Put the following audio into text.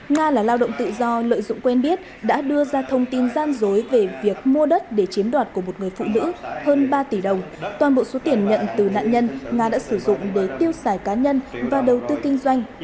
nga là lao động tự do lợi dụng quen biết đã đưa ra thông tin gian dối về việc mua đất để chiếm đoạt của một người phụ nữ hơn ba tỷ đồng toàn bộ số tiền nhận từ nạn nhân nga đã sử dụng để tiêu xài cá nhân và đầu tư kinh doanh